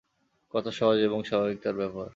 কত সহজ এবং স্বাভাবিক তার ব্যবহার!